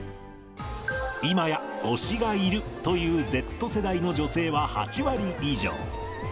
今や推しがいるというＺ世代の女性は、８割以上。